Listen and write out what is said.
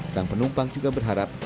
sang penumpang juga berharap